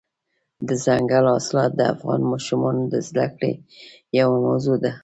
دځنګل حاصلات د افغان ماشومانو د زده کړې یوه موضوع ده.